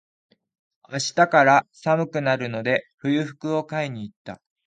明日から寒くなるので、冬服を買いに行った。